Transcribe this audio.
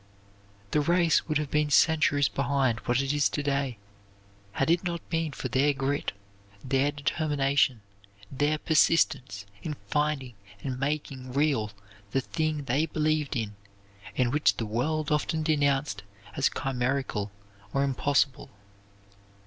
The race would have been centuries behind what it is to day had it not been for their grit, their determination, their persistence in finding and making real the thing they believed in and which the world often denounced as chimerical or impossible.